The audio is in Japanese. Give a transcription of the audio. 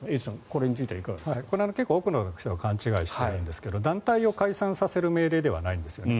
これは多くの人が勘違いしているんですが団体を解散させる命令ではないんですよね。